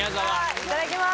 いただきます。